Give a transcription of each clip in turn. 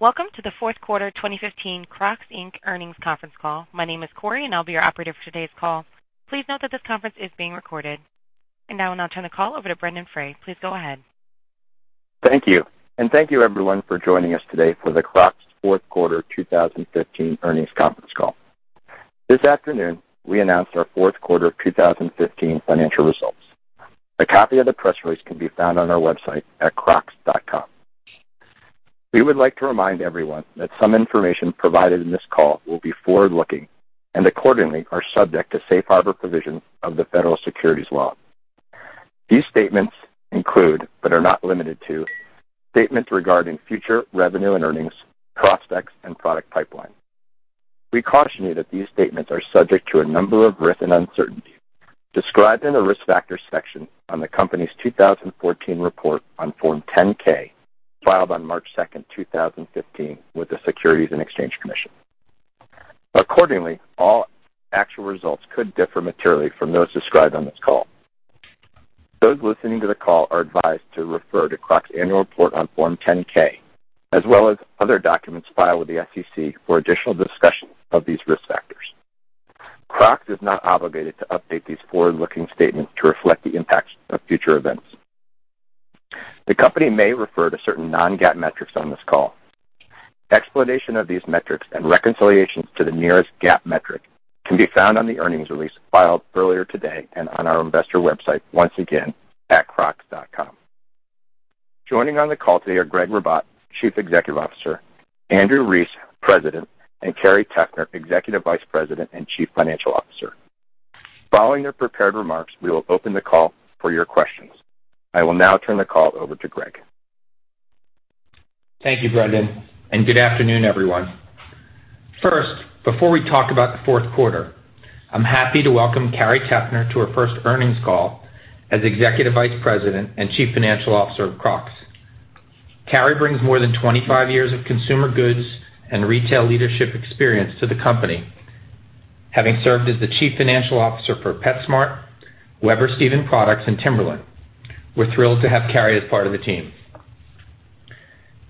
Welcome to the fourth quarter 2015 Crocs, Inc. earnings conference call. My name is Corey and I'll be your operator for today's call. Please note that this conference is being recorded. I'll now turn the call over to Brendon Frey. Please go ahead. Thank you, thank you everyone for joining us today for the Crocs fourth quarter 2015 earnings conference call. This afternoon, we announced our fourth quarter 2015 financial results. A copy of the press release can be found on our website at crocs.com. We would like to remind everyone that some information provided in this call will be forward-looking and accordingly are subject to safe harbor provisions of the Federal securities laws. These statements include, but are not limited to, statements regarding future revenue and earnings prospects and product pipeline. We caution you that these statements are subject to a number of risks and uncertainties described in the Risk Factors section on the company's 2014 report on Form 10-K, filed on March 2nd, 2015, with the Securities and Exchange Commission. Accordingly, all actual results could differ materially from those described on this call. Those listening to the call are advised to refer to Crocs Annual Report on Form 10-K, as well as other documents filed with the SEC for additional discussion of these risk factors. Crocs is not obligated to update these forward-looking statements to reflect the impact of future events. The company may refer to certain non-GAAP metrics on this call. Explanation of these metrics and reconciliation to the nearest GAAP metric can be found on the earnings release filed earlier today and on our investor website, once again, at crocs.com. Joining on the call today are Gregg Ribatt, Chief Executive Officer, Andrew Rees, President, and Carrie Teffner, Executive Vice President and Chief Financial Officer. Following their prepared remarks, we will open the call for your questions. I will now turn the call over to Gregg. Thank you, Brendon, good afternoon, everyone. First, before we talk about the fourth quarter, I'm happy to welcome Carrie Teffner to her first earnings call as Executive Vice President and Chief Financial Officer of Crocs. Carrie brings more than 25 years of consumer goods and retail leadership experience to the company, having served as the Chief Financial Officer for PetSmart, Weber-Stephen Products, and Timberland. We're thrilled to have Carrie as part of the team.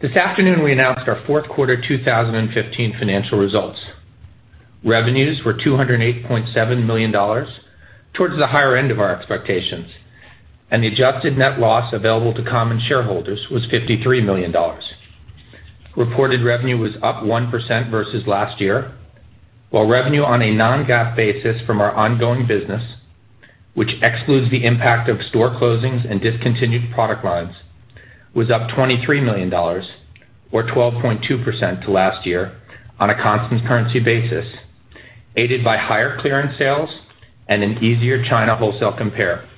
This afternoon, we announced our fourth quarter 2015 financial results. Revenues were $208.7 million, towards the higher end of our expectations, the adjusted net loss available to common shareholders was $53 million. Reported revenue was up 1% versus last year, while revenue on a non-GAAP basis from our ongoing business, which excludes the impact of store closings and discontinued product lines, was up $23 million, or 12.2% to last year on a constant currency basis, aided by higher clearance sales and an easier China wholesale compare.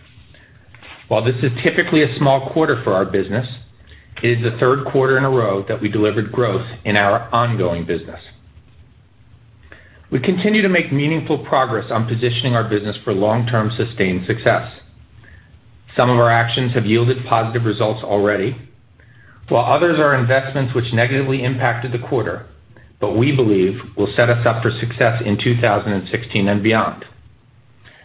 While this is typically a small quarter for our business, it is the third quarter in a row that we delivered growth in our ongoing business. We continue to make meaningful progress on positioning our business for long-term sustained success. Some of our actions have yielded positive results already, while others are investments which negatively impacted the quarter, but we believe will set us up for success in 2016 and beyond.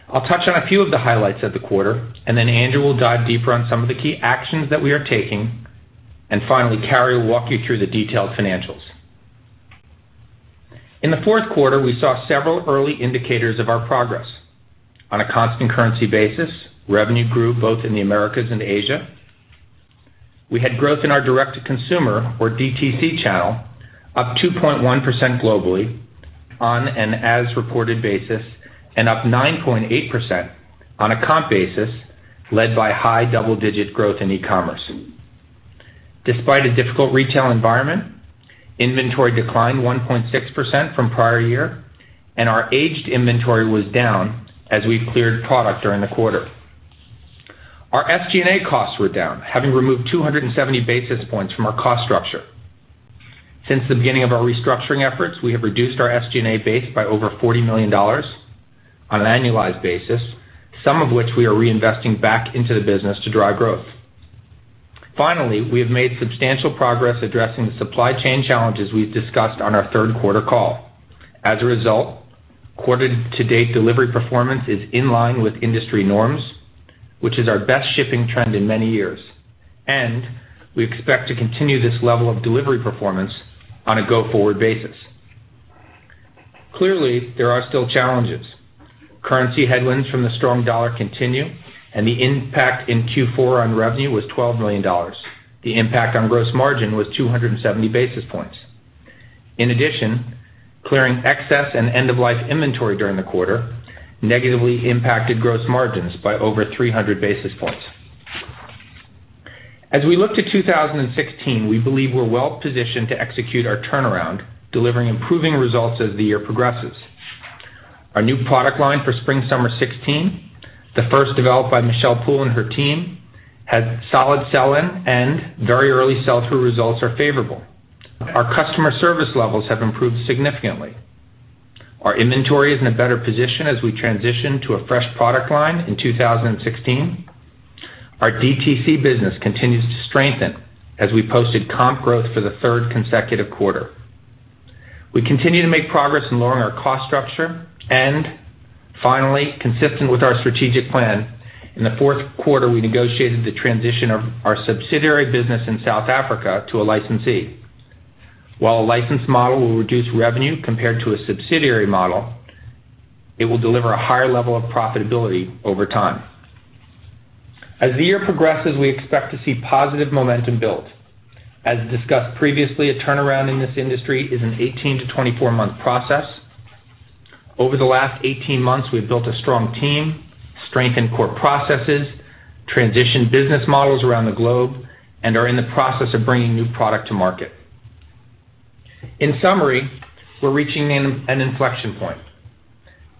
I'll touch on a few of the highlights of the quarter. Andrew will dive deeper on some of the key actions that we are taking. Carrie will walk you through the detailed financials. In the fourth quarter, we saw several early indicators of our progress. On a constant currency basis, revenue grew both in the Americas and Asia. We had growth in our direct-to-consumer, or DTC channel, up 2.1% globally on an as-reported basis and up 9.8% on a comp basis, led by high double-digit growth in e-commerce. Despite a difficult retail environment, inventory declined 1.6% from prior year, and our aged inventory was down as we cleared product during the quarter. Our SG&A costs were down, having removed 270 basis points from our cost structure. Since the beginning of our restructuring efforts, we have reduced our SG&A base by over $40 million on an annualized basis, some of which we are reinvesting back into the business to drive growth. Finally, we have made substantial progress addressing the supply chain challenges we've discussed on our third quarter call. As a result, quarter to date delivery performance is in line with industry norms, which is our best shipping trend in many years, and we expect to continue this level of delivery performance on a go-forward basis. Clearly, there are still challenges. Currency headwinds from the strong dollar continue. The impact in Q4 on revenue was $12 million. The impact on gross margin was 270 basis points. In addition, clearing excess and end-of-life inventory during the quarter negatively impacted gross margins by over 300 basis points. As we look to 2016, we believe we're well positioned to execute our turnaround, delivering improving results as the year progresses. Our new product line for spring/summer 2016, the first developed by Michelle Poole and her team, had solid sell-in and very early sell-through results are favorable. Our customer service levels have improved significantly. Our inventory is in a better position as we transition to a fresh product line in 2016. Our DTC business continues to strengthen as we posted comp growth for the third consecutive quarter. We continue to make progress in lowering our cost structure. Finally, consistent with our strategic plan, in the fourth quarter, we negotiated the transition of our subsidiary business in South Africa to a licensee. While a licensed model will reduce revenue compared to a subsidiary model, it will deliver a higher level of profitability over time. As the year progresses, we expect to see positive momentum build. As discussed previously, a turnaround in this industry is an 18 to 24-month process. Over the last 18 months, we've built a strong team, strengthened core processes, transitioned business models around the globe, and are in the process of bringing new product to market. In summary, we're reaching an inflection point.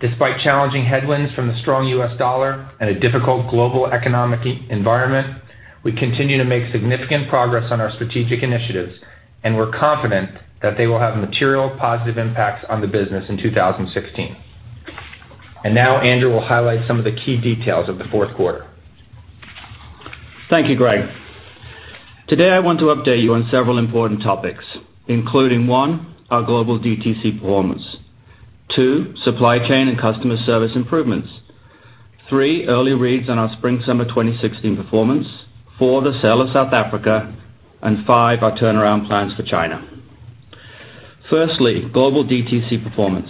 Despite challenging headwinds from the strong US dollar and a difficult global economic environment, we continue to make significant progress on our strategic initiatives, and we're confident that they will have material positive impacts on the business in 2016. Andrew will highlight some of the key details of the fourth quarter. Thank you, Gregg. Today, I want to update you on several important topics, including, one, our global DTC performance. Two, supply chain and customer service improvements. Three, early reads on our spring/summer 2016 performance. Four, the sale of South Africa. Five, our turnaround plans for China. Firstly, global DTC performance.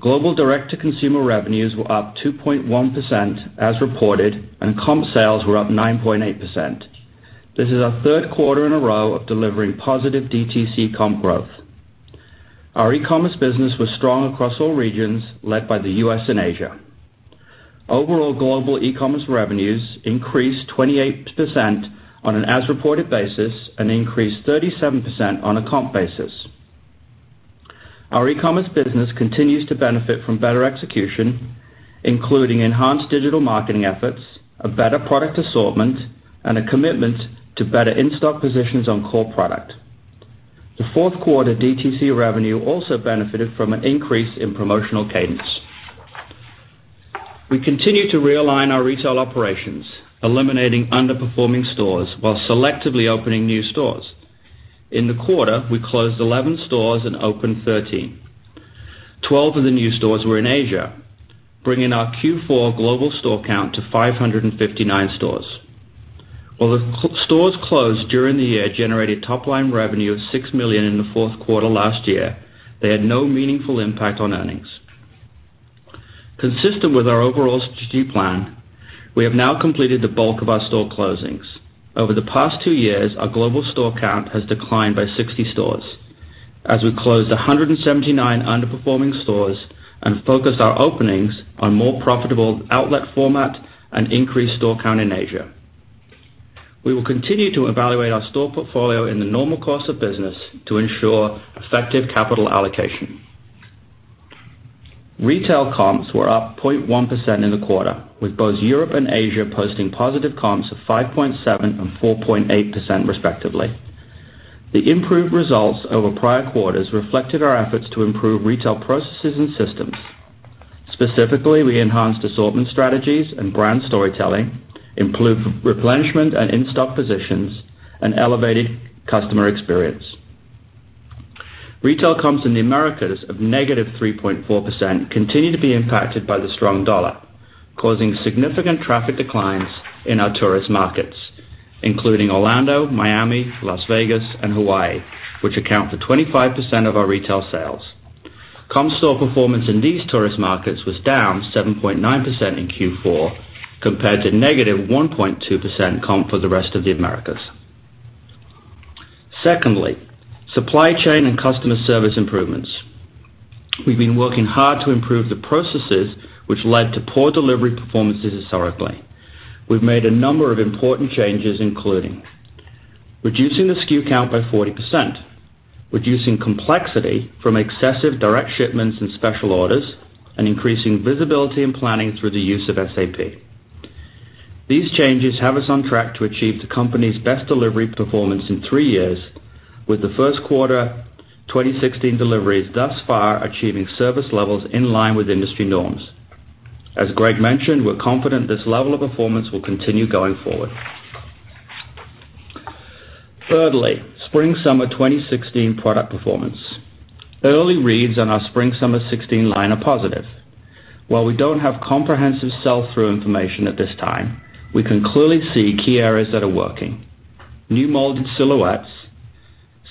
Global direct-to-consumer revenues were up 2.1% as reported, and comp sales were up 9.8%. This is our third quarter in a row of delivering positive DTC comp growth. Our e-commerce business was strong across all regions, led by the U.S. and Asia. Overall global e-commerce revenues increased 28% on an as-reported basis and increased 37% on a comp basis. Our e-commerce business continues to benefit from better execution, including enhanced digital marketing efforts, a better product assortment, and a commitment to better in-stock positions on core product. The fourth quarter DTC revenue also benefited from an increase in promotional cadence. We continue to realign our retail operations, eliminating underperforming stores while selectively opening new stores. In the quarter, we closed 11 stores and opened 13. 12 of the new stores were in Asia, bringing our Q4 global store count to 559 stores. While the stores closed during the year generated top-line revenue of $6 million in the fourth quarter last year, they had no meaningful impact on earnings. Consistent with our overall strategy plan, we have now completed the bulk of our store closings. Over the past two years, our global store count has declined by 60 stores. As we closed 179 underperforming stores and focused our openings on more profitable outlet format and increased store count in Asia. We will continue to evaluate our store portfolio in the normal course of business to ensure effective capital allocation. Retail comps were up 0.1% in the quarter, with both Europe and Asia posting positive comps of 5.7% and 4.8%, respectively. The improved results over prior quarters reflected our efforts to improve retail processes and systems. Specifically, we enhanced assortment strategies and brand storytelling, improved replenishment and in-stock positions, and elevated customer experience. Retail comps in the Americas of negative 3.4% continue to be impacted by the strong US dollar, causing significant traffic declines in our tourist markets, including Orlando, Miami, Las Vegas, and Hawaii, which account for 25% of our retail sales. Comp store performance in these tourist markets was down 7.9% in Q4, compared to negative 1.2% comp for the rest of the Americas. Secondly, supply chain and customer service improvements. We've been working hard to improve the processes which led to poor delivery performances historically. We've made a number of important changes, including reducing the SKU count by 40%, reducing complexity from excessive direct shipments and special orders, and increasing visibility and planning through the use of SAP. These changes have us on track to achieve the company's best delivery performance in 3 years, with the first quarter 2016 deliveries thus far achieving service levels in line with industry norms. As Gregg mentioned, we're confident this level of performance will continue going forward. Thirdly, spring/summer 2016 product performance. Early reads on our spring/summer 2016 line are positive. While we don't have comprehensive sell-through information at this time, we can clearly see key areas that are working. New molded silhouettes,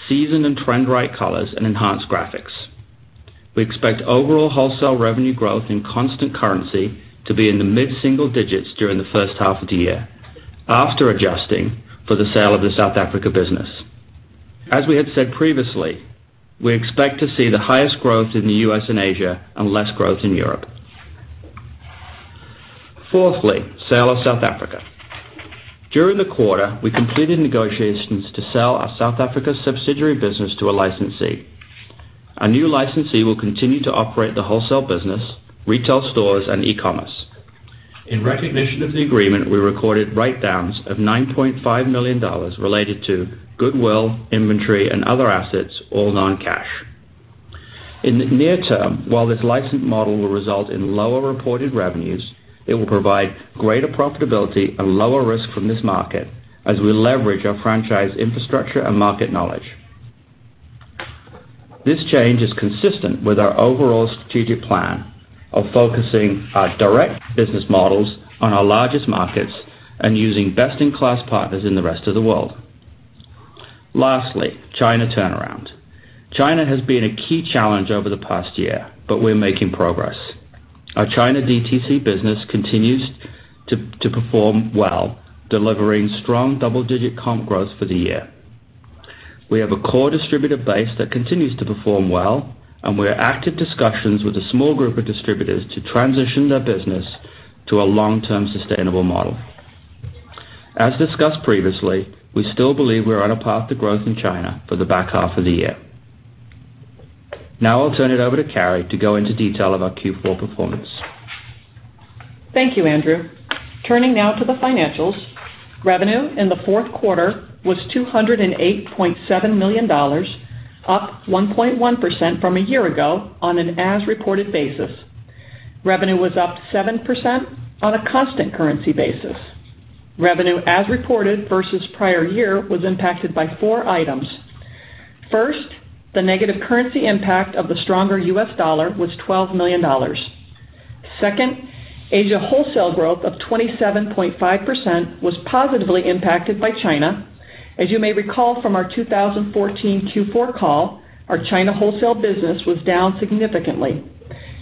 season and trend right colors, and enhanced graphics. We expect overall wholesale revenue growth in constant currency to be in the mid-single digits during the first half of the year after adjusting for the sale of the South Africa business. As we had said previously, we expect to see the highest growth in the U.S. and Asia and less growth in Europe. Fourthly, sale of South Africa. During the quarter, we completed negotiations to sell our South Africa subsidiary business to a licensee. A new licensee will continue to operate the wholesale business, retail stores, and e-commerce. In recognition of the agreement, we recorded write-downs of $9.5 million related to goodwill, inventory, and other assets, all non-cash. In the near term, while this licensed model will result in lower reported revenues, it will provide greater profitability and lower risk from this market as we leverage our franchise infrastructure and market knowledge. This change is consistent with our overall strategic plan of focusing our direct business models on our largest markets and using best-in-class partners in the rest of the world. Lastly, China turnaround. China has been a key challenge over the past year, but we're making progress. Our China DTC business continues to perform well, delivering strong double-digit comp growth for the year. We have a core distributor base that continues to perform well, and we're active discussions with a small group of distributors to transition their business to a long-term sustainable model. As discussed previously, we still believe we're on a path to growth in China for the back half of the year. Now I'll turn it over to Carrie to go into detail of our Q4 performance. Thank you, Andrew. Turning now to the financials. Revenue in the fourth quarter was $208.7 million, up 1.1% from a year ago on an as-reported basis. Revenue was up 7% on a constant currency basis. Revenue, as reported versus prior year, was impacted by 4 items. First, the negative currency impact of the stronger U.S. dollar was $12 million. Second, Asia wholesale growth of 27.5% was positively impacted by China. As you may recall from our 2014 Q4 call, our China wholesale business was down significantly.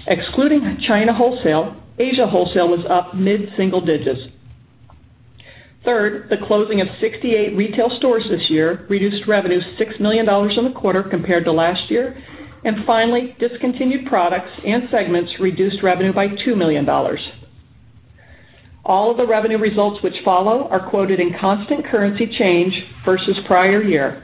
Excluding China wholesale, Asia wholesale was up mid-single digits. Third, the closing of 68 retail stores this year reduced revenue $6 million in the quarter compared to last year. Finally, discontinued products and segments reduced revenue by $2 million. All of the revenue results which follow are quoted in constant currency change versus prior year.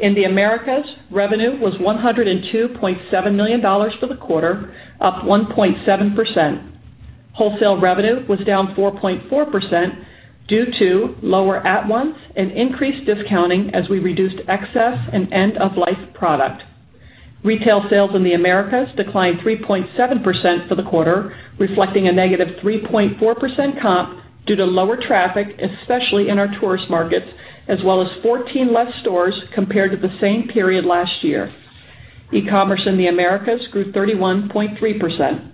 In the Americas, revenue was $102.7 million for the quarter, up 1.7%. Wholesale revenue was down 4.4% due to lower at-once and increased discounting as we reduced excess and end-of-life product. Retail sales in the Americas declined 3.7% for the quarter, reflecting a negative 3.4% comp due to lower traffic, especially in our tourist markets, as well as 14 less stores compared to the same period last year. E-commerce in the Americas grew 31.3%.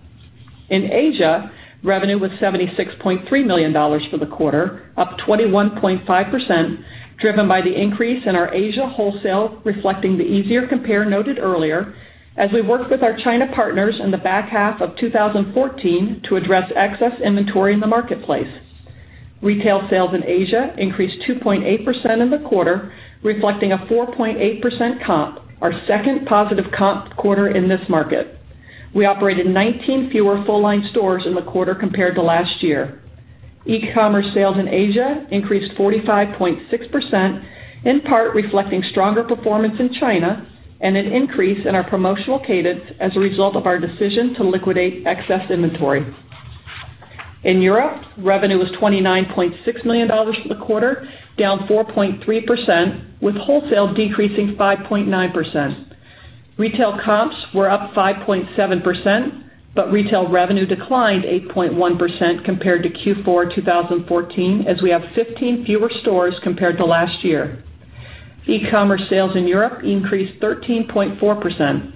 In Asia, revenue was $76.3 million for the quarter, up 21.5%, driven by the increase in our Asia wholesale, reflecting the easier compare noted earlier, as we worked with our China partners in the back half of 2014 to address excess inventory in the marketplace. Retail sales in Asia increased 2.8% in the quarter, reflecting a 4.8% comp, our second positive comp quarter in this market. We operated 19 fewer full-line stores in the quarter compared to last year. E-commerce sales in Asia increased 45.6%, in part reflecting stronger performance in China and an increase in our promotional cadence as a result of our decision to liquidate excess inventory. In Europe, revenue was $29.6 million for the quarter, down 4.3%, with wholesale decreasing 5.9%. Retail comps were up 5.7%. Retail revenue declined 8.1% compared to Q4 2014, as we have 15 fewer stores compared to last year. E-commerce sales in Europe increased 13.4%.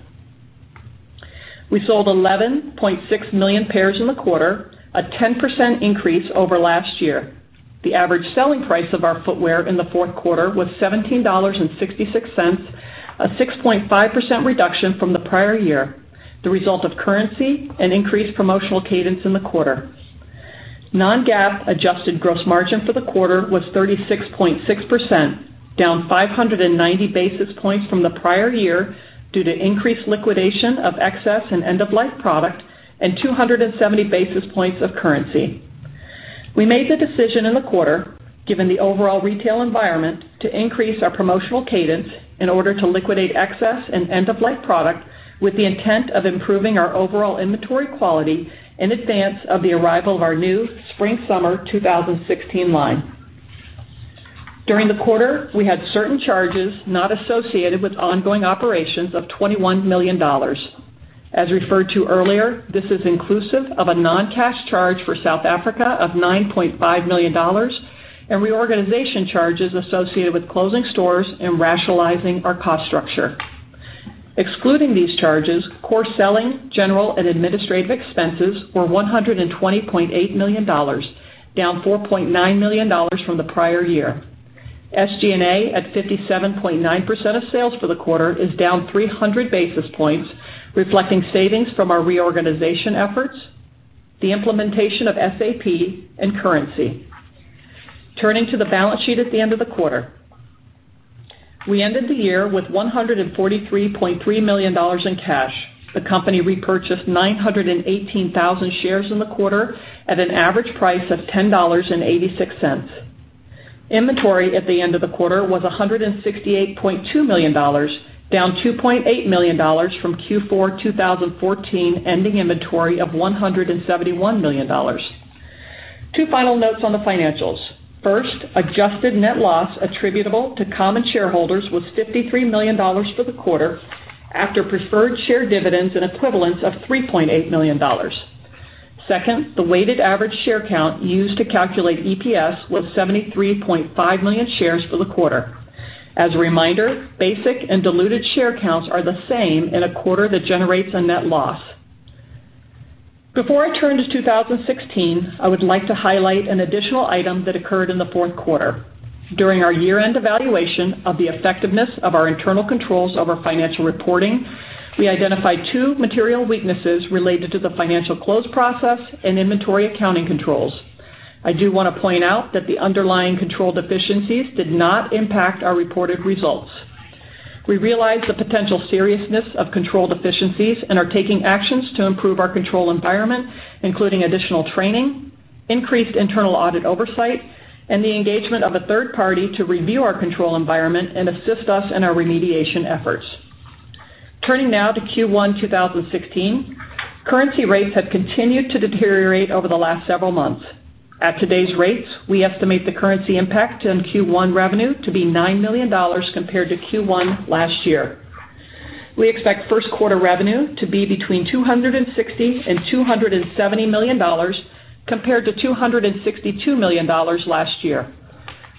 We sold 11.6 million pairs in the quarter, a 10% increase over last year. The average selling price of our footwear in the fourth quarter was $17.66, a 6.5% reduction from the prior year, the result of currency and increased promotional cadence in the quarter. Non-GAAP adjusted gross margin for the quarter was 36.6%, down 590 basis points from the prior year due to increased liquidation of excess and end-of-life product and 270 basis points of currency. We made the decision in the quarter, given the overall retail environment, to increase our promotional cadence in order to liquidate excess and end-of-life product with the intent of improving our overall inventory quality in advance of the arrival of our new spring/summer 2016 line. During the quarter, we had certain charges not associated with ongoing operations of $21 million. As referred to earlier, this is inclusive of a non-cash charge for South Africa of $9.5 million and reorganization charges associated with closing stores and rationalizing our cost structure. Excluding these charges, core selling, general and administrative expenses were $120.8 million, down $4.9 million from the prior year. SG&A at 57.9% of sales for the quarter is down 300 basis points, reflecting savings from our reorganization efforts, the implementation of SAP, and currency. Turning to the balance sheet at the end of the quarter. We ended the year with $143.3 million in cash. The company repurchased 918,000 shares in the quarter at an average price of $10.86. Inventory at the end of the quarter was $168.2 million, down $2.8 million from Q4 2014 ending inventory of $171 million. Two final notes on the financials. First, adjusted net loss attributable to common shareholders was $53 million for the quarter, after preferred share dividends and equivalents of $3.8 million. Second, the weighted average share count used to calculate EPS was 73.5 million shares for the quarter. As a reminder, basic and diluted share counts are the same in a quarter that generates a net loss. Before I turn to 2016, I would like to highlight an additional item that occurred in the fourth quarter. During our year-end evaluation of the effectiveness of our internal controls over financial reporting, we identified two material weaknesses related to the financial close process and inventory accounting controls. I do want to point out that the underlying control deficiencies did not impact our reported results. We realized the potential seriousness of control deficiencies and are taking actions to improve our control environment, including additional training, increased internal audit oversight, and the engagement of a third party to review our control environment and assist us in our remediation efforts. Turning now to Q1 2016, currency rates have continued to deteriorate over the last several months. At today's rates, we estimate the currency impact on Q1 revenue to be $9 million compared to Q1 last year. We expect first quarter revenue to be between $260 million and $270 million compared to $262 million last year.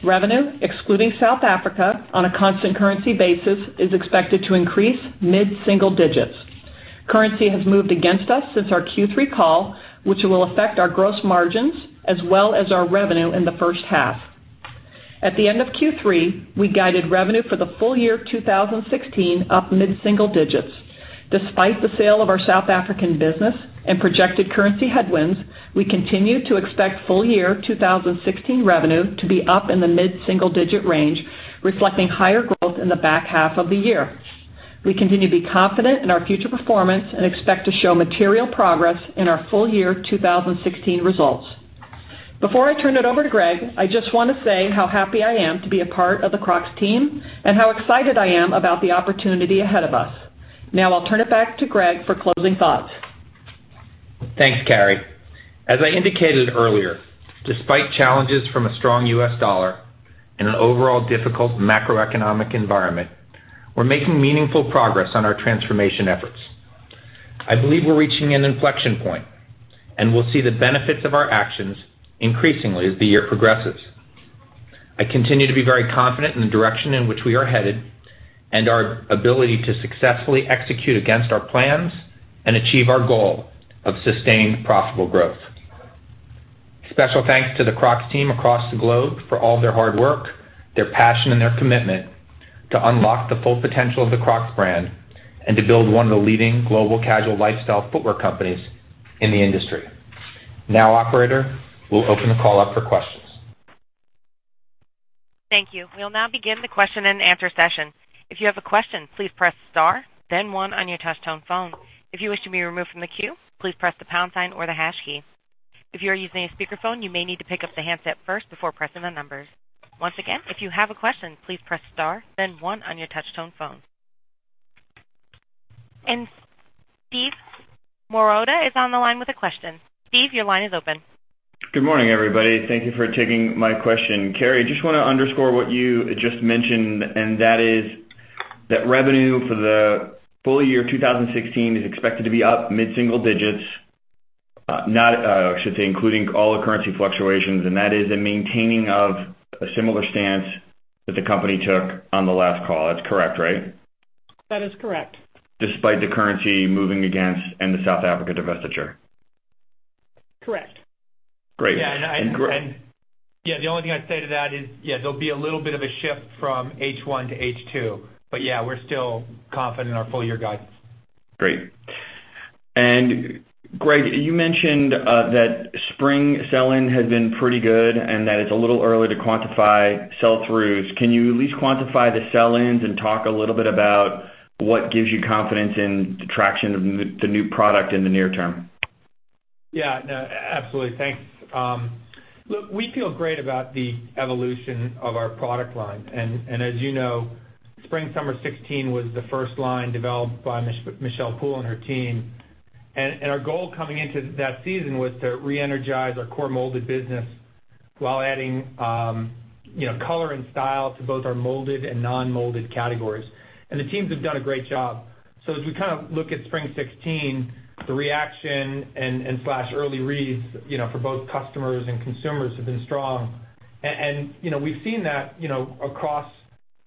Revenue, excluding South Africa, on a constant currency basis, is expected to increase mid-single digits. Currency has moved against us since our Q3 call, which will affect our gross margins as well as our revenue in the first half. At the end of Q3, we guided revenue for the full year 2016 up mid-single digits. Despite the sale of our South African business and projected currency headwinds, we continue to expect full year 2016 revenue to be up in the mid-single-digit range, reflecting higher growth in the back half of the year. We continue to be confident in our future performance and expect to show material progress in our full year 2016 results. Before I turn it over to Gregg, I just want to say how happy I am to be a part of the Crocs team and how excited I am about the opportunity ahead of us. I'll turn it back to Gregg for closing thoughts. Thanks, Carrie. As I indicated earlier, despite challenges from a strong U.S. dollar and an overall difficult macroeconomic environment, we're making meaningful progress on our transformation efforts. I believe we're reaching an inflection point, and we'll see the benefits of our actions increasingly as the year progresses. I continue to be very confident in the direction in which we are headed and our ability to successfully execute against our plans and achieve our goal of sustained profitable growth. Special thanks to the Crocs team across the globe for all their hard work, their passion, and their commitment to unlock the full potential of the Crocs brand and to build one of the leading global casual lifestyle footwear companies in the industry. Operator, we'll open the call up for questions. Thank you. We'll now begin the question-and-answer session. If you have a question, please press star then one on your touch-tone phone. If you wish to be removed from the queue, please press the pound sign or the hash key. If you are using a speakerphone, you may need to pick up the handset first before pressing the numbers. Once again, if you have a question, please press star, then one on your touch-tone phone. Steve Marotta is on the line with a question. Steve, your line is open. Good morning, everybody. Thank you for taking my question. Carrie, just want to underscore what you just mentioned, that is that revenue for the full year 2016 is expected to be up mid-single digits, I should say, including all the currency fluctuations, that is a maintaining of a similar stance that the company took on the last call. That's correct, right? That is correct. Despite the currency moving against and the South Africa divestiture? Correct. Great. Yeah. The only thing I'd say to that is, there'll be a little bit of a shift from H1 to H2. Yeah, we're still confident in our full year guidance. Great. Gregg, you mentioned that spring sell-in had been pretty good and that it's a little early to quantify sell-throughs. Can you at least quantify the sell-ins and talk a little bit about what gives you confidence in the traction of the new product in the near term? Yeah. No, absolutely. Thanks. Look, we feel great about the evolution of our product line. As you know, spring/summer 2016 was the first line developed by Michelle Poole and her team. Our goal coming into that season was to reenergize our core molded business while adding color and style to both our molded and non-molded categories. The teams have done a great job. As we kind of look at spring 2016, the reaction and slash early reads for both customers and consumers have been strong. We've seen that across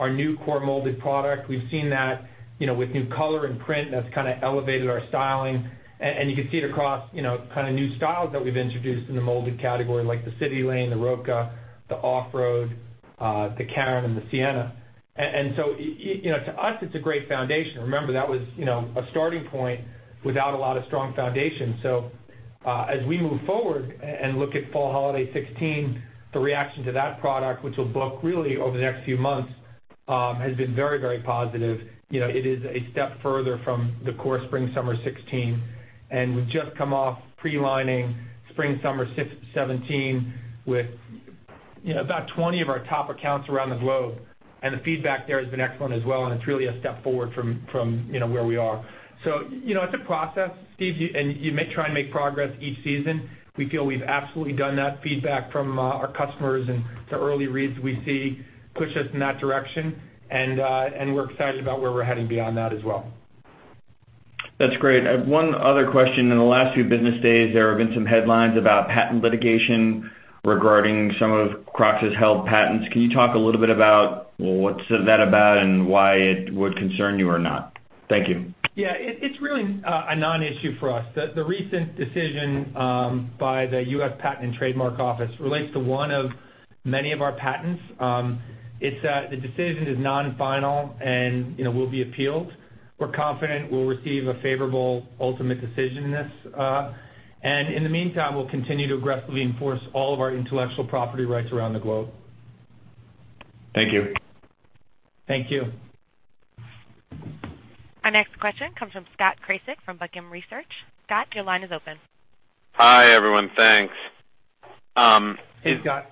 our new core molded product. We've seen that with new color and print that's kind of elevated our styling, and you can see it across kind of new styles that we've introduced in the molded category, like the CitiLane, the Roka, the Offroad, the Karin, and the Sienna. To us, it's a great foundation. Remember, that was a starting point without a lot of strong foundation. As we move forward and look at fall holiday 2016, the reaction to that product, which will book really over the next few months, has been very positive. It is a step further from the core spring/summer 2016, and we've just come off pre-lining spring/summer 2017 with about 20 of our top accounts around the globe, and the feedback there has been excellent as well, and it's really a step forward from where we are. It's a process, Steve, and you may try and make progress each season. We feel we've absolutely done that. Feedback from our customers and the early reads we see push us in that direction, and we're excited about where we're heading beyond that as well. That's great. I have one other question. In the last few business days, there have been some headlines about patent litigation regarding some of Crocs' held patents. Can you talk a little bit about what's that about and why it would concern you or not? Thank you. Yeah. It's really a non-issue for us. The recent decision by the United States Patent and Trademark Office relates to one of many of our patents. The decision is non-final and will be appealed. We're confident we'll receive a favorable ultimate decision in this. In the meantime, we'll continue to aggressively enforce all of our intellectual property rights around the globe. Thank you. Thank you. Our next question comes from Scott Krasik from Buckingham Research. Scott, your line is open. Hi, everyone. Thanks. Hey, Scott.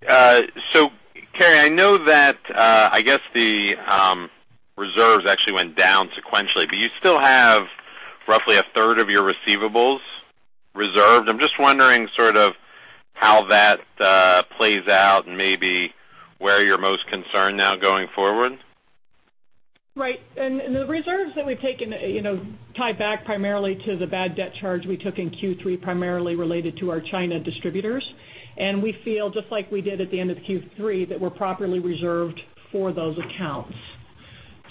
Carrie, I know that, I guess, the reserves actually went down sequentially, but you still have roughly a third of your receivables reserved. I'm just wondering sort of how that plays out and maybe where you're most concerned now going forward. Right. The reserves that we've taken tie back primarily to the bad debt charge we took in Q3, primarily related to our China distributors. We feel, just like we did at the end of Q3, that we're properly reserved for those accounts.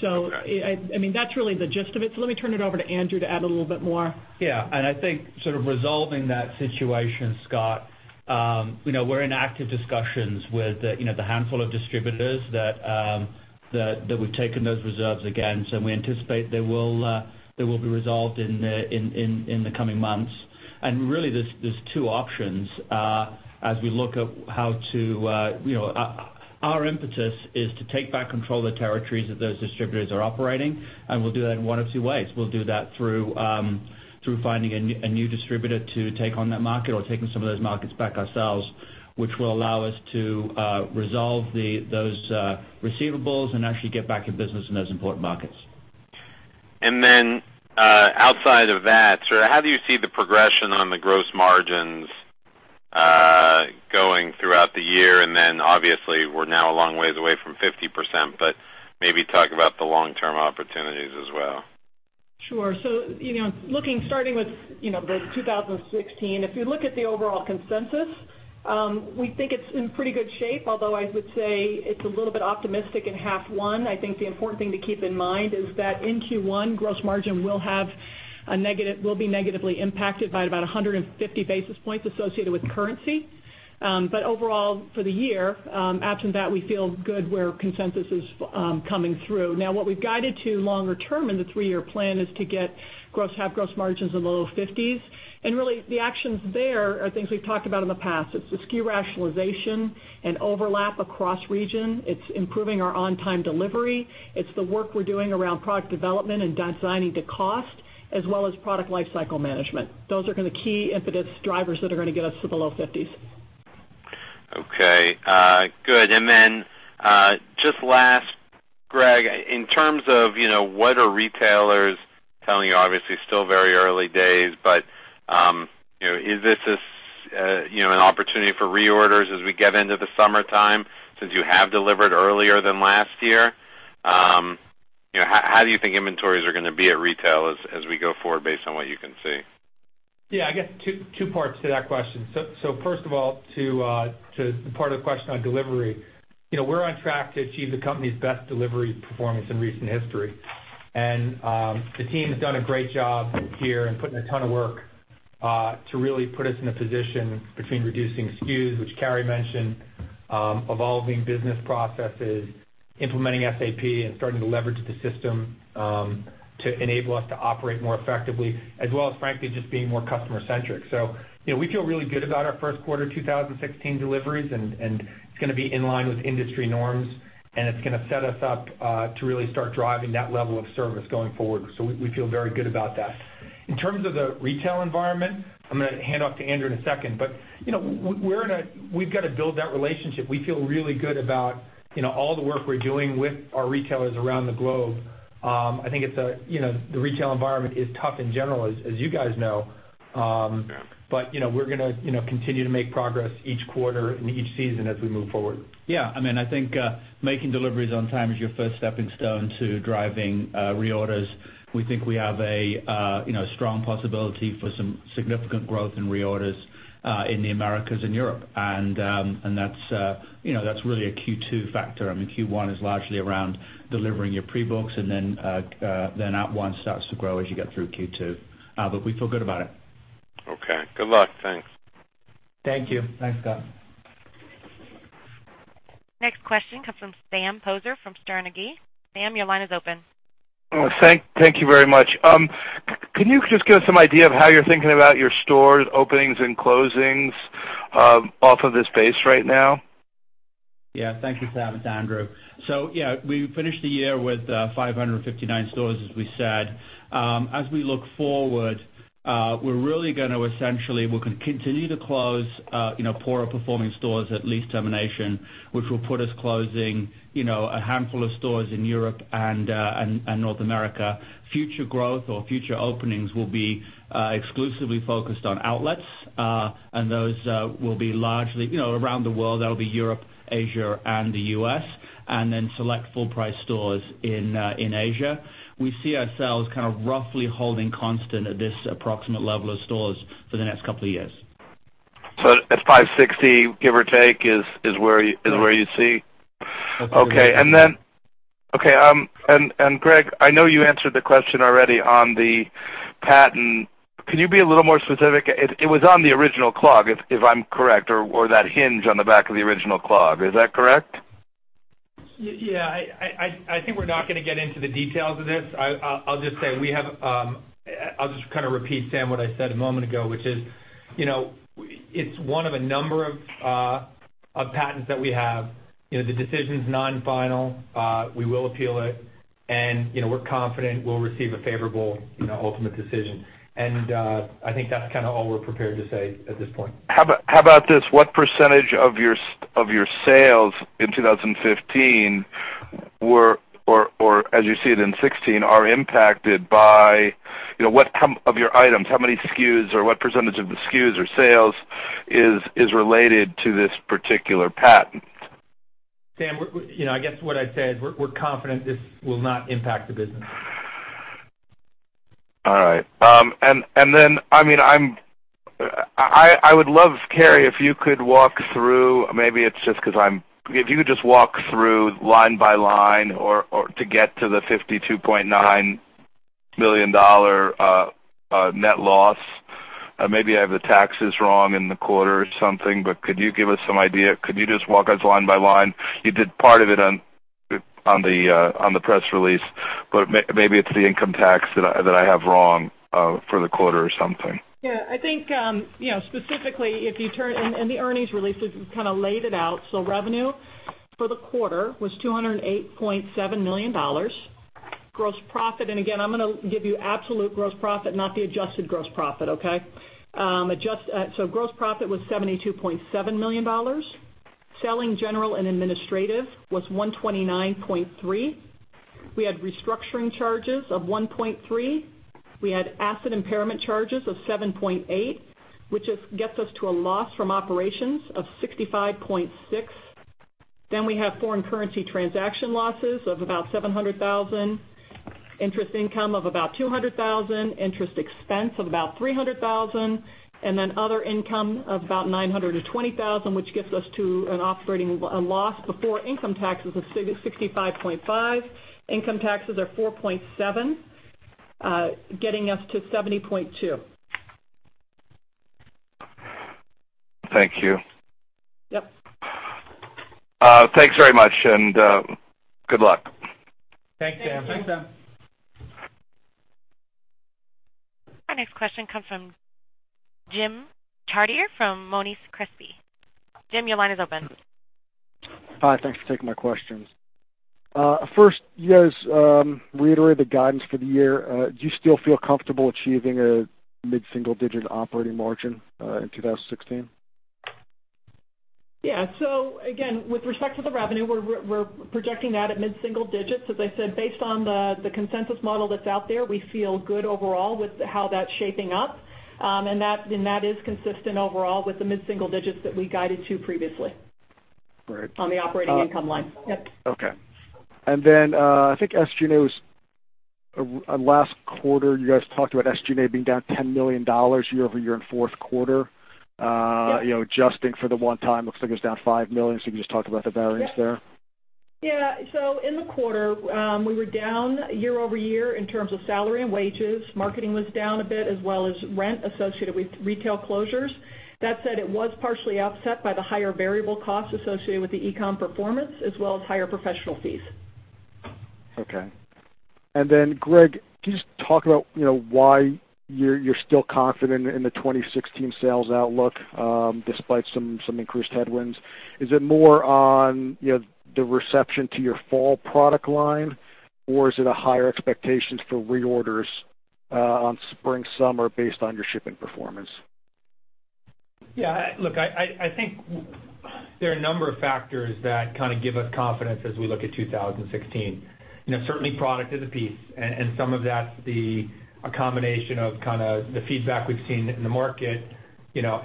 That's really the gist of it. Let me turn it over to Andrew to add a little bit more. Yeah. I think sort of resolving that situation, Scott, we're in active discussions with the handful of distributors that we've taken those reserves against, we anticipate they will be resolved in the coming months. Really, there's two options as we look at. Our impetus is to take back control of the territories that those distributors are operating, and we'll do that in one of two ways. We'll do that through finding a new distributor to take on that market or taking some of those markets back ourselves, which will allow us to resolve those receivables and actually get back in business in those important markets. Outside of that, how do you see the progression on the gross margins going throughout the year? Obviously, we're now a long ways away from 50%, but maybe talk about the long-term opportunities as well. Sure. Starting with the 2016, if you look at the overall consensus, we think it's in pretty good shape, although I would say it's a little bit optimistic in half one. I think the important thing to keep in mind is that in Q1, gross margin will be negatively impacted by about 150 basis points associated with currency. Overall for the year, absent that, we feel good where consensus is coming through. What we've guided to longer term in the three-year plan is to have gross margins in the low 50s. Really the actions there are things we've talked about in the past. It's the SKU rationalization and overlap across region. It's improving our on-time delivery. It's the work we're doing around product development and designing to cost, as well as product lifecycle management. Those are going to key impetus drivers that are going to get us to the low 50s. Just last, Gregg, in terms of what are retailers telling you? Obviously, still very early days, but is this an opportunity for reorders as we get into the summertime, since you have delivered earlier than last year? How do you think inventories are going to be at retail as we go forward based on what you can see? I guess two parts to that question. First of all, to the part of the question on delivery, we're on track to achieve the company's best delivery performance in recent history. The team has done a great job here in putting a ton of work to really put us in a position between reducing SKUs, which Carrie mentioned, evolving business processes, implementing SAP, and starting to leverage the system to enable us to operate more effectively, as well as, frankly, just being more customer centric. We feel really good about our first quarter 2016 deliveries, it's going to be in line with industry norms, and it's going to set us up to really start driving that level of service going forward. We feel very good about that. In terms of the retail environment, I'm going to hand off to Andrew in a second, we've got to build that relationship. We feel really good about all the work we're doing with our retailers around the globe. I think the retail environment is tough in general, as you guys know. We're going to continue to make progress each quarter and each season as we move forward. Yeah. I think making deliveries on time is your first stepping stone to driving reorders. We think we have a strong possibility for some significant growth in reorders in the Americas and Europe. That's really a Q2 factor. Q1 is largely around delivering your pre-books and then at once starts to grow as you get through Q2. We feel good about it. Okay. Good luck. Thanks. Thank you. Thanks, Scott. Next question comes from Sam Poser from Sterne Agee. Sam, your line is open. Thank you very much. Can you just give us some idea of how you're thinking about your stores' openings and closings off of this base right now? Yeah, thank you, Sam. It's Andrew. Yeah, we finished the year with 559 stores, as we said. As we look forward, we're really going to essentially continue to close poorer performing stores at lease termination, which will put us closing a handful of stores in Europe and North America. Future growth or future openings will be exclusively focused on outlets. Those will be largely around the world. That'll be Europe, Asia, and the U.S., and then select full price stores in Asia. We see ourselves kind of roughly holding constant at this approximate level of stores for the next couple of years. At 560, give or take, is where you'd see? Yeah. Okay. Greg, I know you answered the question already on the patent. Can you be a little more specific? It was on the original clog, if I'm correct, or that hinge on the back of the original clog. Is that correct? Yeah. I think we're not going to get into the details of this. I'll just kind of repeat, Sam, what I said a moment ago, which is, it's one of a number of patents that we have. The decision's non-final. We will appeal it, and we're confident we'll receive a favorable ultimate decision. I think that's all we're prepared to say at this point. How about this: What percentage of your sales in 2015, or as you see it in 2016, of your items, how many SKUs or what percentage of the SKUs or sales is related to this particular patent? Sam, I guess what I'd say is we're confident this will not impact the business. I would love, Carrie, if you could walk through, maybe it's just because if you could just walk through line by line or to get to the $52.9 million net loss. Maybe I have the taxes wrong in the quarter or something. Could you give us some idea? Could you just walk us line by line? You did part of it on the press release. Maybe it's the income tax that I have wrong for the quarter or something. I think, specifically, if you turn, in the earnings release, we've kind of laid it out. Revenue for the quarter was $208.7 million. Gross profit, I'm going to give you absolute gross profit, not the adjusted gross profit. Gross profit was $72.7 million. Selling, general, and administrative was $129.3 million. We had restructuring charges of $1.3 million. We had asset impairment charges of $7.8 million, which gets us to a loss from operations of $65.6 million. We have foreign currency transaction losses of about $700,000, interest income of about $200,000, interest expense of about $300,000, other income of about $920,000, which gets us to a loss before income taxes of $65.5 million. Income taxes are $4.7 million, getting us to $70.2 million. Thank you. Yep. Thanks very much. Good luck. Thanks, Sam. Thanks. Our next question comes from Jim Chartier from Monness Crespi. Jim, your line is open. You guys reiterated the guidance for the year. Do you still feel comfortable achieving a mid-single-digit operating margin in 2016? Yeah. Again, with respect to the revenue, we're projecting that at mid-single digits. As I said, based on the consensus model that's out there, we feel good overall with how that's shaping up. That is consistent overall with the mid-single digits that we guided to previously. Great. On the operating income line. Yep. Okay. I think SG&A was, last quarter, you guys talked about SG&A being down $10 million year-over-year in fourth quarter. Yep. Adjusting for the one time, looks like it's down $5 million. Can you just talk about the variance there? Yeah. In the quarter, we were down year-over-year in terms of salary and wages. Marketing was down a bit, as well as rent associated with retail closures. That said, it was partially offset by the higher variable costs associated with the e-com performance, as well as higher professional fees. Okay. Then Gregg, can you just talk about why you're still confident in the 2016 sales outlook despite some increased headwinds? Is it more on the reception to your fall product line, or is it a higher expectations for reorders on spring/summer based on your shipping performance? Look, I think there are a number of factors that kind of give us confidence as we look at 2016. Certainly, product is a piece, and some of that's a combination of the feedback we've seen in the market,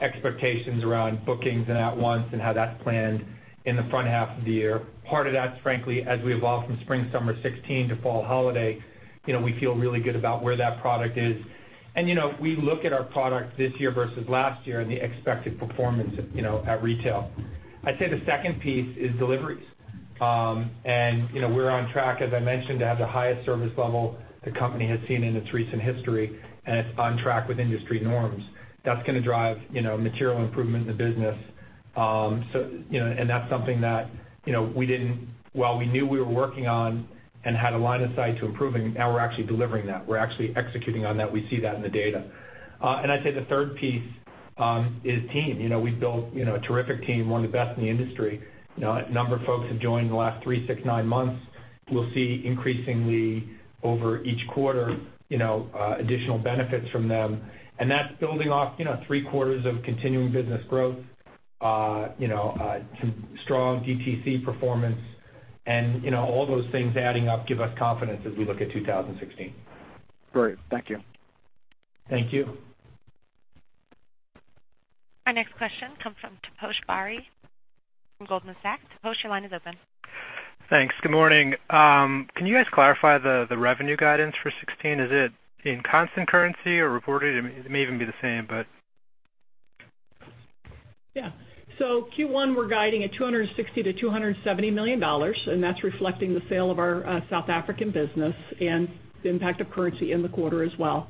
expectations around bookings and at once and how that's planned in the front half of the year. Part of that's frankly as we evolve from spring/summer 2016 to fall holiday. We feel really good about where that product is. We look at our product this year versus last year and the expected performance at retail. I'd say the second piece is deliveries. We're on track, as I mentioned, to have the highest service level the company has seen in its recent history, and it's on track with industry norms. That's going to drive material improvement in the business. That's something that, while we knew we were working on and had a line of sight to improving, now we're actually delivering that. We're actually executing on that. We see that in the data. I'd say the third piece is team. We've built a terrific team, one of the best in the industry. A number of folks have joined in the last three, six, nine months. We'll see increasingly over each quarter, additional benefits from them. That's building off three quarters of continuing business growth, some strong DTC performance, and all those things adding up give us confidence as we look at 2016. Great. Thank you. Thank you. Our next question comes from Taposh Bari from Goldman Sachs. Taposh, your line is open. Thanks. Good morning. Can you guys clarify the revenue guidance for 2016? Is it in constant currency or reported? It may even be the same, but. Yeah. Q1, we're guiding at $260 million-$270 million, that's reflecting the sale of our South African business and the impact of currency in the quarter as well.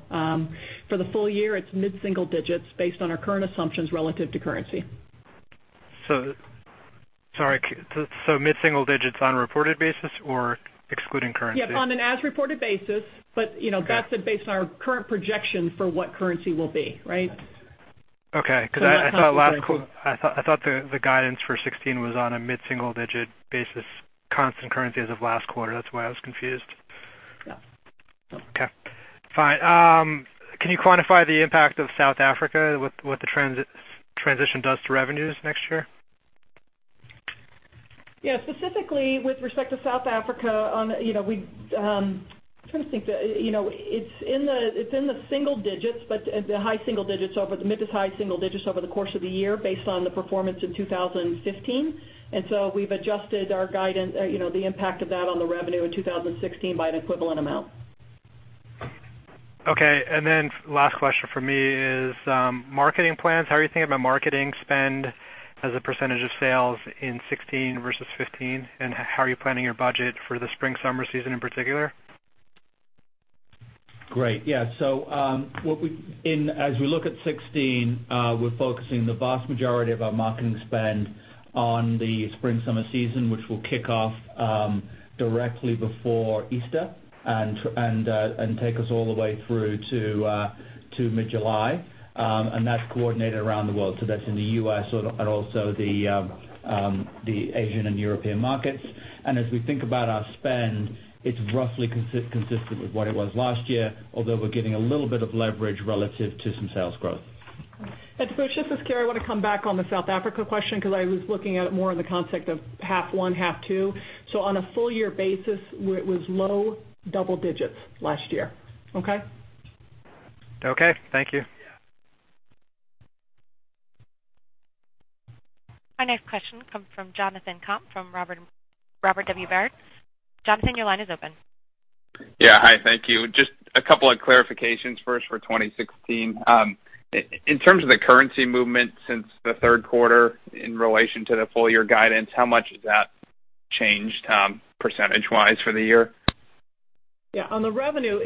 For the full year, it's mid-single digits based on our current assumptions relative to currency. Sorry. Mid-single digits on a reported basis or excluding currency? Yeah, on an as-reported basis. Okay That's based on our current projection for what currency will be, right? Okay. Not constant currency. I thought the guidance for 2016 was on a mid-single-digit basis, constant currency as of last quarter. That is why I was confused. Yeah. Fine. Can you quantify the impact of South Africa, what the transition does to revenues next year? Specifically, with respect to South Africa, I am trying to think. It is in the single digits, but the mid to high single digits over the course of the year based on the performance in 2015. We have adjusted our guidance, the impact of that on the revenue in 2016 by an equivalent amount. Okay. Last question from me is, marketing plans. How are you thinking about marketing spend as a percentage of sales in 2016 versus 2015? How are you planning your budget for the spring-summer season in particular? Great. Yeah. As we look at 2016, we're focusing the vast majority of our marketing spend on the spring-summer season, which will kick off directly before Easter and take us all the way through to mid-July. That's coordinated around the world. That's in the U.S. and also the Asian and European markets. As we think about our spend, it's roughly consistent with what it was last year. Although, we're getting a little bit of leverage relative to some sales growth. Bhush, this is Carrie. I want to come back on the South Africa question because I was looking at it more in the context of half one, half two. On a full year basis, it was low double digits last year. Okay? Okay. Thank you. Yeah. Our next question comes from Jonathan Komp from Robert W. Baird. Jonathan, your line is open. Yeah. Hi, thank you. Just a couple of clarifications first for 2016. In terms of the currency movement since the third quarter in relation to the full year guidance, how much has that changed, percentage-wise for the year? Yeah. On the revenue,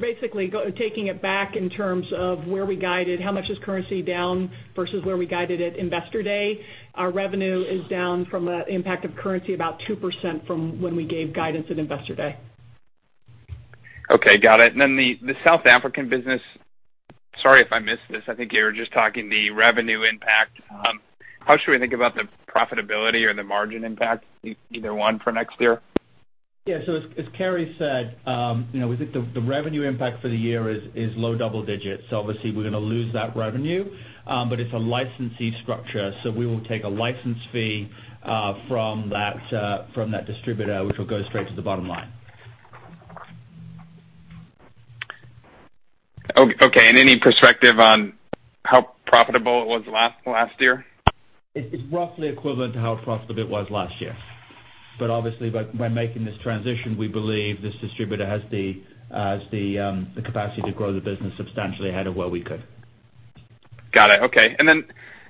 basically taking it back in terms of where we guided, how much is currency down versus where we guided at Investor Day, our revenue is down from an impact of currency about 2% from when we gave guidance at Investor Day. Okay. Got it. The South African business. Sorry if I missed this. I think you were just talking the revenue impact. How should we think about the profitability or the margin impact, either one, for next year? Yeah. As Carrie said, we think the revenue impact for the year is low double digits. Obviously, we're going to lose that revenue. It's a licensee structure, so we will take a license fee from that distributor, which will go straight to the bottom line. Okay. Any perspective on how profitable it was last year? It's roughly equivalent to how profitable it was last year. Obviously, by making this transition, we believe this distributor has the capacity to grow the business substantially ahead of where we could. Got it. Okay.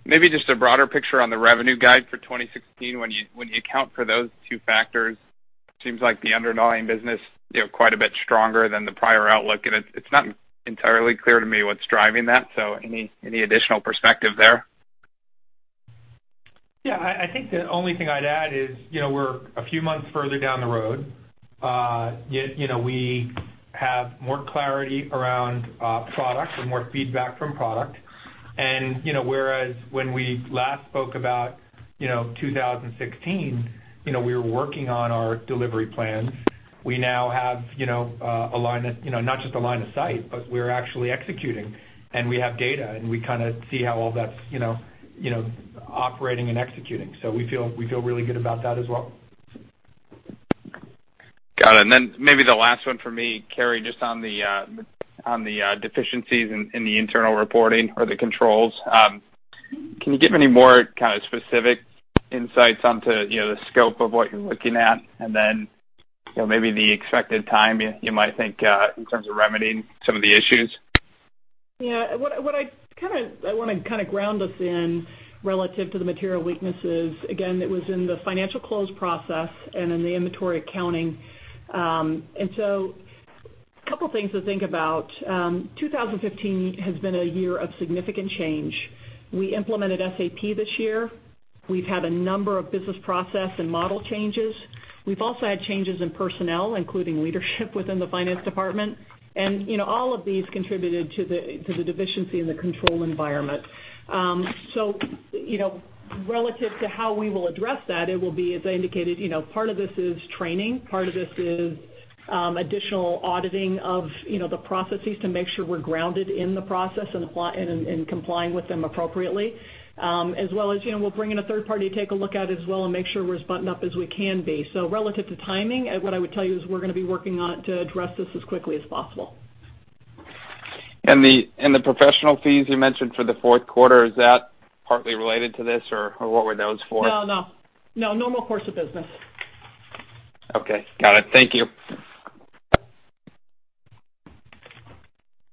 Maybe just a broader picture on the revenue guide for 2016 when you account for those two factors, it seems like the underlying business quite a bit stronger than the prior outlook, it's not entirely clear to me what's driving that. Any additional perspective there? Yeah. I think the only thing I'd add is we're a few months further down the road. We have more clarity around product and more feedback from product. Whereas when we last spoke about 2016, we were working on our delivery plans. We now have not just a line of sight, but we're actually executing, and we have data, and we see how all that's operating and executing. We feel really good about that as well. Got it. Maybe the last one for me, Carrie, just on the deficiencies in the internal reporting or the controls. Can you give any more kind of specific insights onto the scope of what you're looking at? Maybe the expected time you might think, in terms of remedying some of the issues? Yeah. I want to ground us in relative to the material weaknesses. Again, it was in the financial close process and in the inventory accounting. A couple things to think about. 2015 has been a year of significant change. We implemented SAP this year. We've had a number of business process and model changes. We've also had changes in personnel, including leadership within the finance department, and all of these contributed to the deficiency in the control environment. Relative to how we will address that, it will be, as I indicated, part of this is training. Part of this is additional auditing of the processes to make sure we're grounded in the process and complying with them appropriately. As well as we'll bring in a third party to take a look at it as well and make sure we're as buttoned up as we can be. Relative to timing, what I would tell you is we're going to be working on it to address this as quickly as possible. The professional fees you mentioned for the fourth quarter, is that partly related to this, or what were those for? No. Normal course of business. Okay. Got it. Thank you.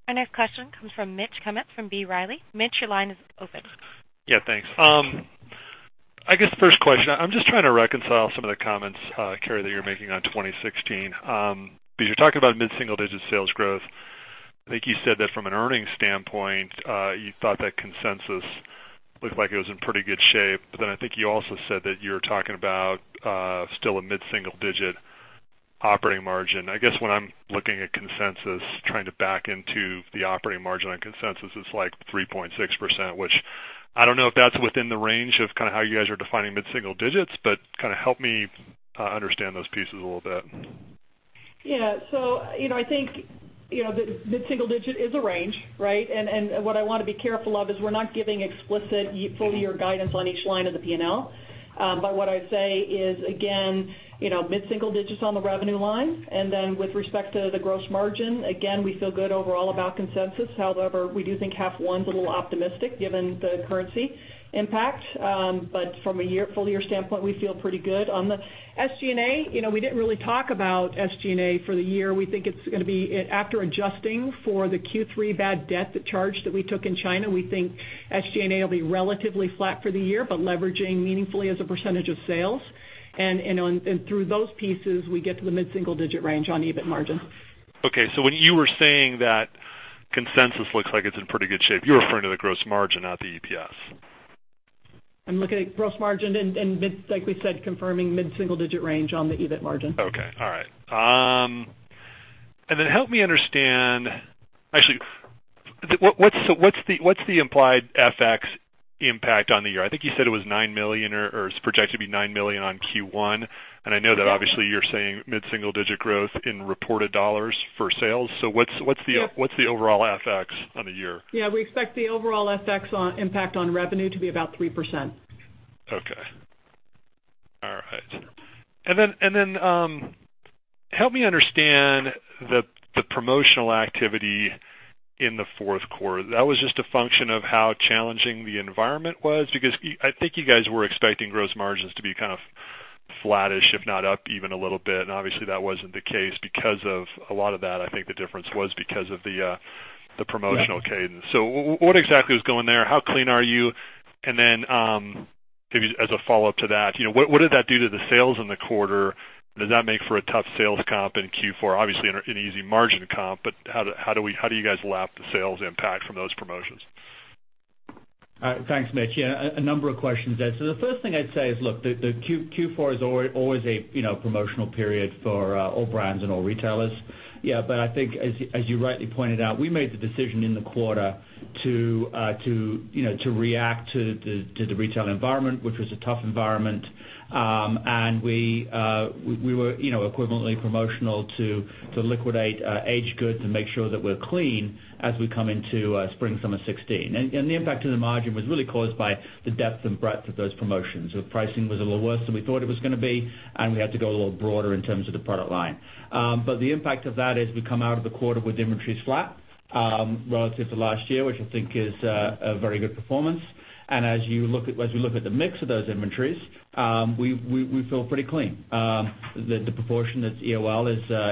Our next question comes from Mitch Kummetz from B. Riley. Mitch, your line is open. Yeah, thanks. I guess the first question, I'm just trying to reconcile some of the comments, Carrie, that you're making on 2016. You're talking about mid-single-digit sales growth. I think you said that from an earnings standpoint, you thought that consensus looked like it was in pretty good shape. I think you also said that you're talking about still a mid-single-digit operating margin. I guess when I'm looking at consensus, trying to back into the operating margin on consensus, it's like 3.6%, which I don't know if that's within the range of how you guys are defining mid-single digits, but help me understand those pieces a little bit. Yeah. I think mid-single digit is a range, right? What I want to be careful of is we're not giving explicit full-year guidance on each line of the P&L. What I'd say is, again, mid-single digits on the revenue line, and then with respect to the gross margin, again, we feel good overall about consensus. However, we do think half one's a little optimistic given the currency impact. From a full-year standpoint, we feel pretty good. On the SG&A, we didn't really talk about SG&A for the year. We think it's going to be, after adjusting for the Q3 bad debt charge that we took in China, we think SG&A will be relatively flat for the year, but leveraging meaningfully as a percentage of sales. Through those pieces, we get to the mid-single-digit range on EBIT margin. Okay. When you were saying that consensus looks like it's in pretty good shape, you were referring to the gross margin, not the EPS. I'm looking at gross margin and like we said, confirming mid-single-digit range on the EBIT margin. Okay. All right. Help me understand, actually, what's the implied FX impact on the year? I think you said it was $9 million or is projected to be $9 million on Q1. I know that obviously you're saying mid-single digit growth in reported dollars for sales. What's the overall FX on the year? Yeah, we expect the overall FX impact on revenue to be about 3%. Okay. All right. Help me understand the promotional activity in the fourth quarter. That was just a function of how challenging the environment was because I think you guys were expecting gross margins to be flattish, if not up even a little bit. Obviously, that wasn't the case because of a lot of that, I think the difference was because of the promotional cadence. What exactly is going there? How clean are you? Maybe as a follow-up to that, what did that do to the sales in the quarter? Does that make for a tough sales comp in Q4? Obviously, an easy margin comp, but how do you guys lap the sales impact from those promotions? Thanks, Mitch. Yeah, a number of questions there. The first thing I'd say is, look, Q4 is always a promotional period for all brands and all retailers. I think as you rightly pointed out, we made the decision in the quarter to react to the retail environment, which was a tough environment. We were equivalently promotional to liquidate aged goods and make sure that we're clean as we come into spring/summer 2016. The impact to the margin was really caused by the depth and breadth of those promotions. The pricing was a little worse than we thought it was going to be, and we had to go a little broader in terms of the product line. The impact of that is we come out of the quarter with inventories flat relative to last year, which I think is a very good performance. As you look at the mix of those inventories, we feel pretty clean. The proportion that's EOL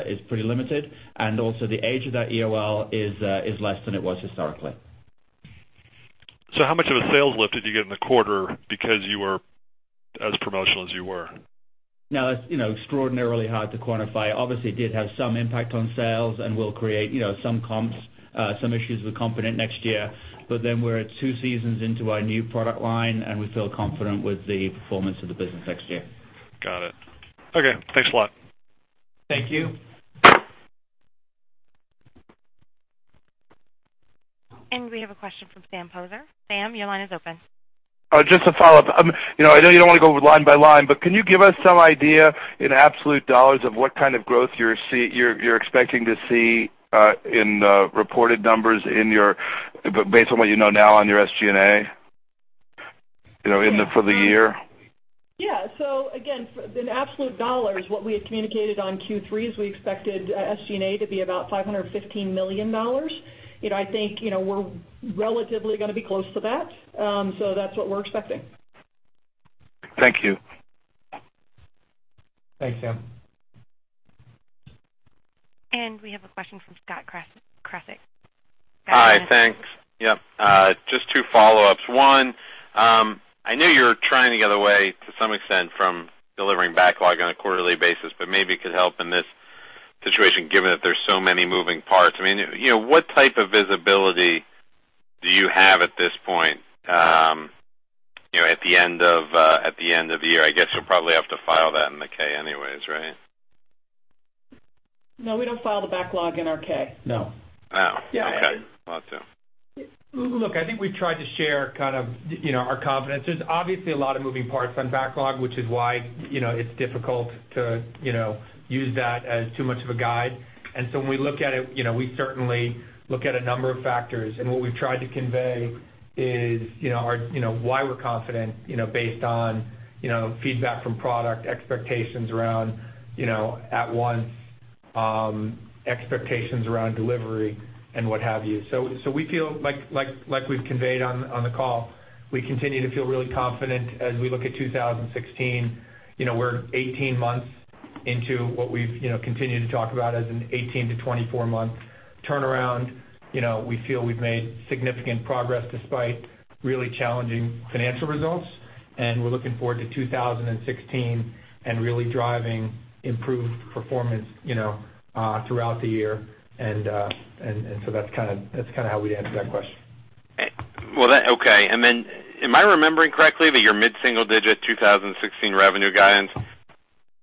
is pretty limited, and also the age of that EOL is less than it was historically. How much of a sales lift did you get in the quarter because you were as promotional as you were? That's extraordinarily hard to quantify. Obviously, it did have some impact on sales and will create some issues with confidence next year. We're two seasons into our new product line, and we feel confident with the performance of the business next year. Got it. Okay. Thanks a lot. Thank you. We have a question from Sam Poser. Sam, your line is open. Just to follow up. I know you don't want to go line by line, but can you give us some idea in absolute dollars of what kind of growth you're expecting to see in the reported numbers based on what you know now on your SG&A for the year? Yeah. Again, in absolute dollars, what we had communicated on Q3 is we expected SG&A to be about $515 million. I think we're relatively going to be close to that. That's what we're expecting. Thank you. Thanks, Sam. We have a question from Scott Krasik. Hi. Thanks. Yep. Just two follow-ups. One, I know you're trying to get away to some extent from delivering backlog on a quarterly basis, but maybe it could help in this situation, given that there's so many moving parts. What type of visibility do you have at this point at the end of the year? I guess you'll probably have to file that in the K anyways, right? No, we don't file the backlog in our 10-K. No. Oh, okay. Thought so. Look, I think we've tried to share our confidence. There's obviously a lot of moving parts on backlog, which is why it's difficult to use that as too much of a guide. When we look at it, we certainly look at a number of factors, and what we've tried to convey is why we're confident based on feedback from product expectations around at once expectations around delivery and what have you. We feel like we've conveyed on the call. We continue to feel really confident as we look at 2016. We're 18 months into what we've continued to talk about as an 18 to 24-month turnaround. We feel we've made significant progress despite really challenging financial results, and we're looking forward to 2016 and really driving improved performance throughout the year. That's how we'd answer that question. Okay. Am I remembering correctly that your mid-single digit 2016 revenue guidance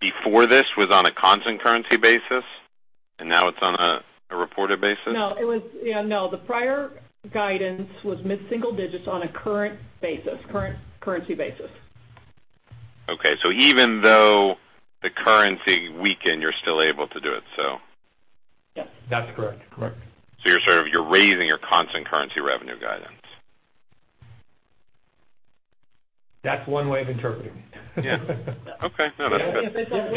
before this was on a constant currency basis, and now it's on a reported basis? No. The prior guidance was mid-single digits on a current basis, current currency basis. Okay. Even though the currency weakened, you're still able to do it. Yes, that's correct. You're raising your constant currency revenue guidance. That's one way of interpreting it. Yeah. Okay. No, that's good.